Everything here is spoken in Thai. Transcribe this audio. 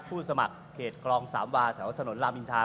ผู้สมัครเขตกรอง๓วาแถวถนนลามอินทา